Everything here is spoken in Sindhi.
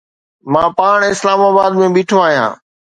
مان پاڻ اسلام آباد ۾ بيٺو آهيان